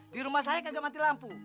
di rumah saya kagak mati lampu